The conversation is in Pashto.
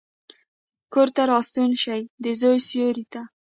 کورته راستون شي، دزوی سیورې ته،